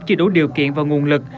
chỉ đủ điều kiện và nguồn lực